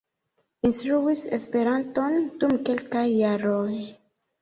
Instruis Esperanton dum kelkaj jaroj.